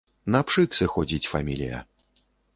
На пшык сыходзіць фамілія.